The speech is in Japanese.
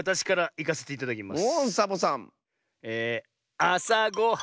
「あさごはん